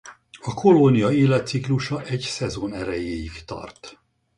A kolónia életciklusa egy szezon erejéig tart.